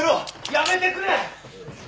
やめてくれ！